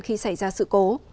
khi xảy ra sự cố